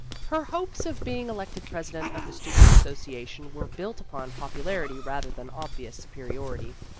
Her hopes of being elected president of the Students' Association were built upon popularity rather than obvious superiority.